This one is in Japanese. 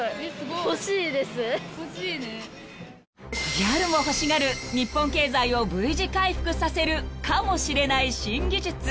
［ギャルも欲しがる日本経済をＶ字回復させるかもしれない新技術］